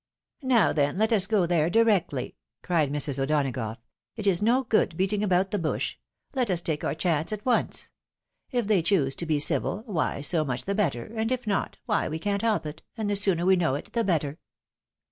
" Now, then, let us go there directly," cried Mrs. O'Dona gough. " It is no good beating about the bush. Let us take MORE RICH RELATIONS. 179 our chance at once. If they choose to be civil, why so mucli the better, and if not, why we can't help it, and the sooner we know it, the better."